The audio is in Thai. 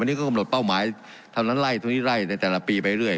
อันนี้ก็กำหนดเป้าหมายเท่านั้นไล่เท่านี้ไล่ในแต่ละปีไปเรื่อย